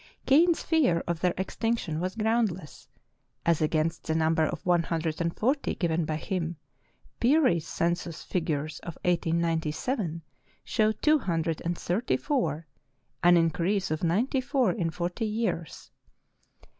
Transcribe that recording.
Kane's fear of their extinction was groundless, as against the number of one hundred and forty, given by him, Peary's census figures of 1897 show two hundred and thirty four, an increase of ninety four in forty years.